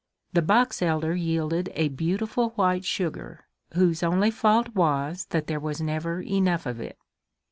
The box elder yielded a beautiful white sugar, whose only fault was that there was never enough of it!